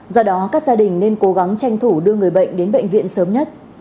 do đó các gia đình nên cố gắng tranh thủ đưa người bệnh đến bệnh viện sớm nhất